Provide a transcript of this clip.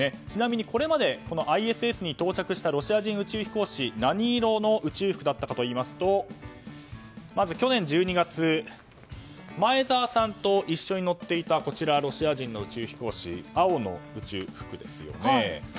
ちなみにこれまでＩＳＳに到着したロシア人宇宙飛行士何色の宇宙服だったかというとまず、去年１２月前澤さんと一緒に乗っていたロシア人の宇宙飛行士は青の宇宙服ですよね。